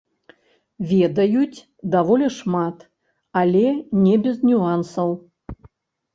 Ведаюць даволі шмат, але не без нюансаў.